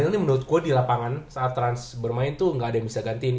ini menurut gue di lapangan saat trans bermain tuh gak ada yang bisa gantiin